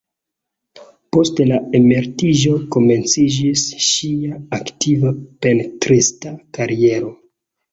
Post la emeritiĝo komenciĝis ŝia aktiva pentrista kariero.